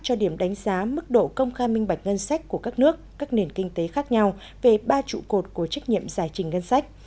cho điểm đánh giá mức độ công khai minh bạch ngân sách của các nước các nền kinh tế khác nhau về ba trụ cột của trách nhiệm giải trình ngân sách